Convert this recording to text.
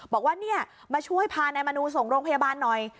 บอกว่าเนี่ยมาช่วยพานายมนูส่งโรงพยาบาลหน่อย